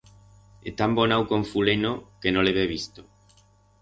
He tambonau con fuleno que no l'hebe visto.